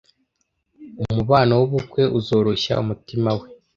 Umubano wubukwe uzoroshya umutima we